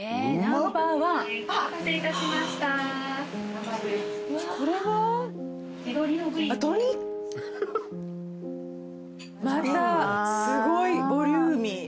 またすごいボリューミー。